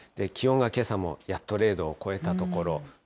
気温はけさもやっと０度を超えたところ。